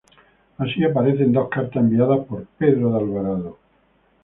Así aparece en dos cartas enviadas por Pedro de Alvarado.